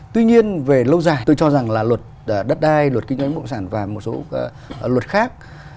tuy nhiên về lâu dài tôi cho rằng là luật đất đai luật kinh doanh mộng sản và một số luật khác